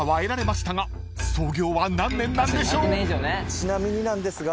ちなみになんですが。